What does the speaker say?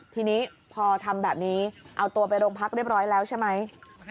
ทีนี้พอทำแบบนี้เอาตัวไปโรงพักเรียบร้อยแล้วใช่ไหม